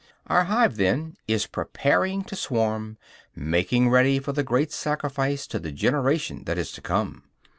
Our hive, then, is preparing to swarm, making ready for the great sacrifice to the generation that is to come.